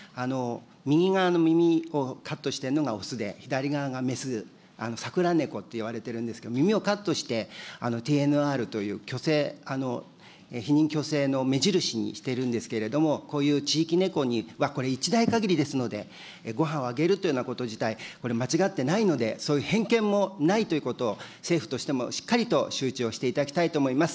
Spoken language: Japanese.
右側の耳をカットしているのが雄で、左側が雌、サクラ猫っていわれているんですけど、耳をカットしてＴＮＲという去勢、避妊、去勢の目印にしているんですけれども、こういう地域猫はこれ、１代限りですので、ごはんをあげるというようなこと自体、これ、間違ってないのでそういう偏見もないということ、政府としてもしっかりと周知をしていただきたいと思います。